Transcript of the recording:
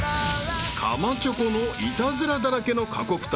［かまチョコのイタズラだらけの過酷旅］